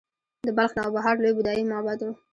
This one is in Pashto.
د بلخ نوبهار لوی بودايي معبد و